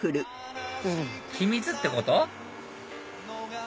秘密ってこと？